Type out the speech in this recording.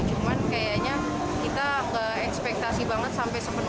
cuman kayaknya kita nggak ekspektasi banget sampai sepenuh ini